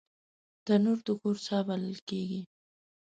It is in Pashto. تنور د کور ساه بلل کېږي